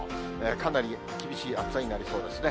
かなり厳しい暑さになりそうですね。